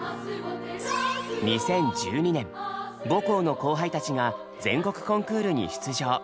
２０１２年母校の後輩たちが全国コンクールに出場。